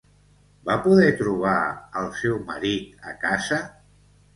Va poder trobar al seu marit a casa?